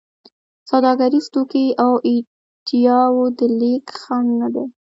سوداګریز توکي او ایډیاوو د لېږد خنډ نه دی.